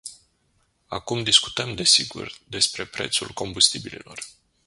Acum discutăm, desigur, despre prețul combustibililor.